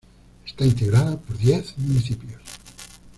Está integrada por diez municipios.